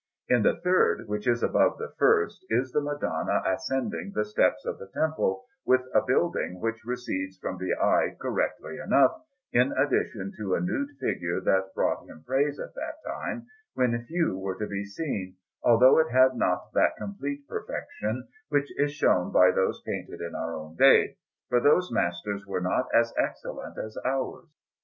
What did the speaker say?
In the third, which is above the first, is the Madonna ascending the steps of the Temple, with a building which recedes from the eye correctly enough, in addition to a nude figure that brought him praise at that time, when few were to be seen, although it had not that complete perfection which is shown by those painted in our own day, for those masters were not as excellent as ours.